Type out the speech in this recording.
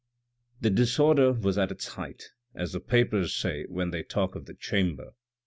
The disorder was at its height, as the papers say when they talk of the Chamber.